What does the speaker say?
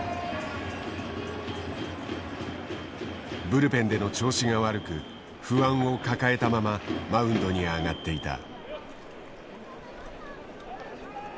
ブルペンでの調子が悪く不安を抱えたままマウンドに上がっていた。